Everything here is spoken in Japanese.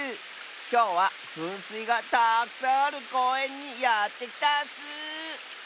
きょうはふんすいがたくさんあるこうえんにやってきたッス！